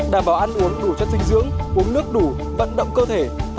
đảm bảo ăn uống đủ chất dinh dưỡng uống nước đủ vận động cơ thể